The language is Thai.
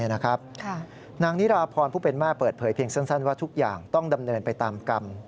นางนิราพรผู้เป็นแม่เปิดเผยเพียงสั้นว่าทุกอย่างต้องดำเนินไปตามกรรม